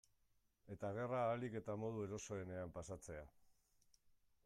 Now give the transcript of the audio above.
Eta gerra ahalik eta modu erosoenean pasatzea.